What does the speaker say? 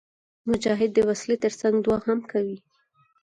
مجاهد د وسلې تر څنګ دعا هم کوي.